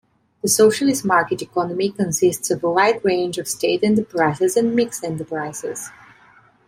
The socialist market economy consists of a wide range of state enterprises and mixed-enterprises.